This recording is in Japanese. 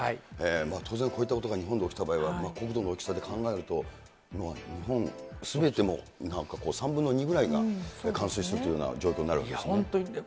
当然、こういったことが日本で起きた場合は、国土の大きさで考えると、日本すべても、３分の２ぐらいが冠水するというような状況になるわけですよね。